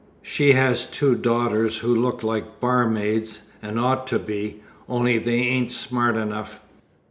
She has two daughters who look like barmaids, and ought to be, only they ain't smart enough.